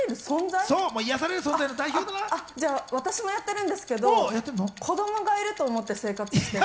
じゃあ私もやってるんですけど、子供がいると思って生活している。